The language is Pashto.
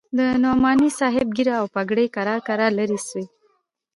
د نعماني صاحب ږيره او پګړۍ کرار کرار لرې سوې.